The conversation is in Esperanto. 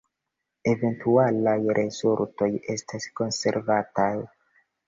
Eventualaj rezultoj estas konservataj.